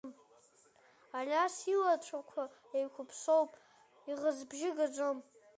Алиас илацәақәа еиқәԥсоуп, иӷызбжьы гаӡом.